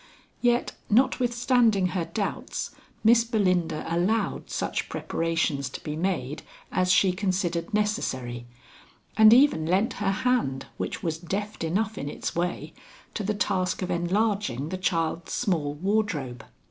Yet notwithstanding her doubts Miss Belinda allowed such preparations to be made as she considered necessary, and even lent her hand which was deft enough in its way, to the task of enlarging the child's small wardrobe.